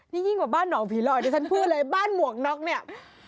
นี่ยิ่งกว่าบ้านหนองผีลอยดิฉันพูดเลยบ้านหมวกน็อกเนี่ย